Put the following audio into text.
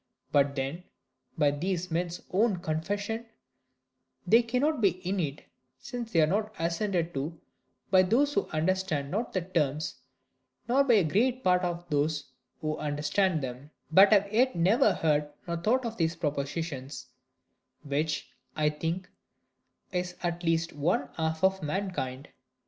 But then, by these men's own confession, they cannot be innate; since they are not assented to by those who understand not the terms; nor by a great part of those who do understand them, but have yet never heard nor thought of those propositions; which, I think, is at least one half of mankind.